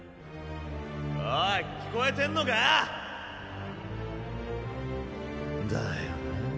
おい聞こえてんのかぁ⁉だよな。